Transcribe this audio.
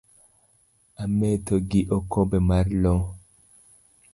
Ametho gi okombe mar loo